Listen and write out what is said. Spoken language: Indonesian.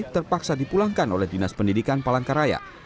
terpaksa dipulangkan oleh dinas pendidikan palangkaraya